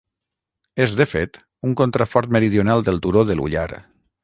És, de fet, un contrafort meridional del Turó de l'Ullar.